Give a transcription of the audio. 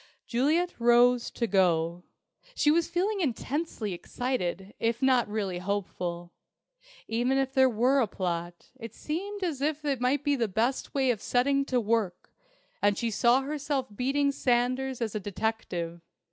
Juliet rose to go. She was feeling intensely excited, if not really hopeful. Even if there were a plot, it seemed as if this might be the best way of setting to work, and she saw herself beating Sanders as a detective.